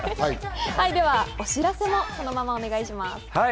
では、お知らせもお願いします。